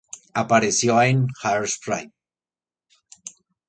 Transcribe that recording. Apareció en "Hairspray".